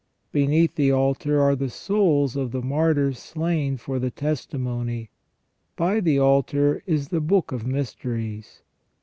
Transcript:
Beneath the altar are the souls of the martyrs slain for the testimony. By the altar is the book of mysteries.